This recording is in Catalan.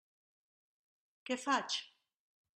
Què faig?